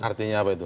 artinya apa itu